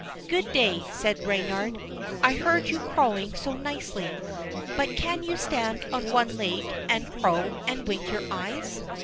"Good day," said Reynard. "I heard you crowing so nicely; but you can stand on one leg and crow, and wink your eyes?"